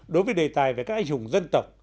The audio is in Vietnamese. đối với đề tài về các anh hùng dân tộc